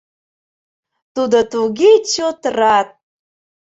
Тудо туге чот рат!